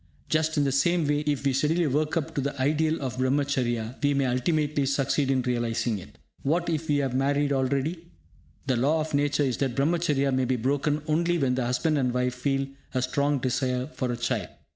Just in the same way, if we steadily work up to the ideal of Brahmacharya, we may ultimately succeed in realising it. What if we have married already? The law of Nature is that Brahmacharya may be broken only when the husband and wife feel a strong desire for a child.